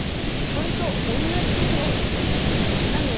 これと同じことが起こっています。